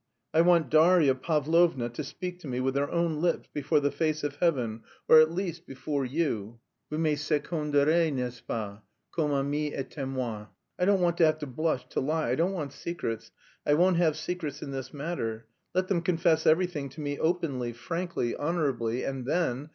I want Darya Pavlovna to speak to me with her own lips, before the face of Heaven, or at least before you. Vous me seconderez, n'est ce pas, comme ami et témoin. I don't want to have to blush, to lie, I don't want secrets, I won't have secrets in this matter. Let them confess everything to me openly, frankly, honourably and then...